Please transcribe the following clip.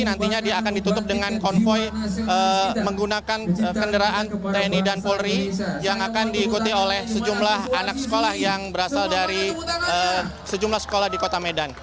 nantinya dia akan ditutup dengan konvoy menggunakan kendaraan tni dan polri yang akan diikuti oleh sejumlah anak sekolah yang berasal dari sejumlah sekolah di kota medan